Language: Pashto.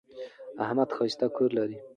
احمد ښایسته کور لري.